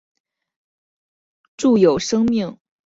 住友生命保险相互会社是一家日本人寿保险相互会社。